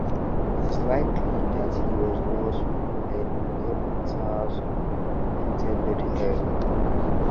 It is likely that he was not Merneptah's intended heir.